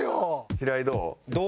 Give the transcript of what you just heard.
平井どう？